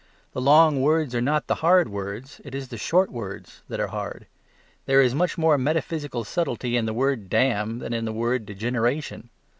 The long words are not the hard words, it is the short words that are hard. There is much more metaphysical subtlety in the word "damn" than in the word "degeneration."